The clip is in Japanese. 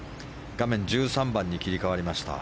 画面は１３番に切り替わりました。